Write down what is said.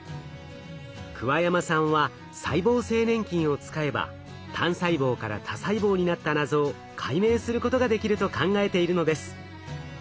桑山さんは細胞性粘菌を使えば単細胞から多細胞になった謎を解明することができると考えているのです。